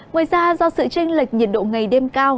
ngoài ra do sự tranh lệch nhiệt độ ngày đêm cao